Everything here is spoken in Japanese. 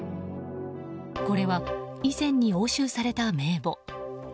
これは以前に押収された名簿。